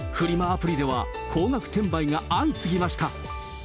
アプリでは、高額転売が相次ぎました。